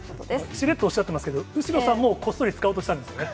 しれっとおっしゃってますけど、後呂さんもこっそり使おうとしたんですね。